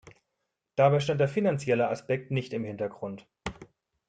Dabei stand der finanzielle Aspekt nicht im Hintergrund.